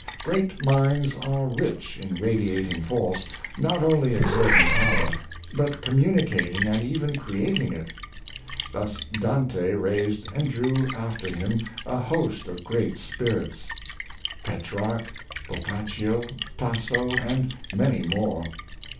Great minds are rich in radiating force, not only ex erting power, but communicating and even creating it. Thus Dante raised and drew after him a host of great spirits — Petrarch, Boccacio, Tasso, and many more.